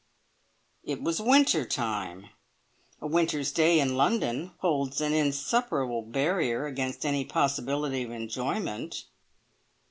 It was winter time. A winter's day in London holds an insuperable barrier against any possibility of enjoyment."